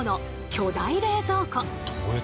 巨大冷蔵庫。